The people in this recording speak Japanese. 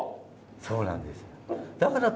そうなんですよ。